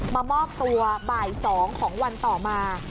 มามอบตัวบ่าย๒ของวันต่อมา